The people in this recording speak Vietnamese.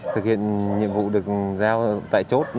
thực hiện nhiệm vụ được giao tại chốt